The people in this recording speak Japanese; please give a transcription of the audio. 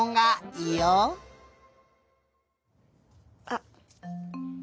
あっ。